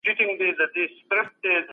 د بل پر ژوند تېری مه کوئ.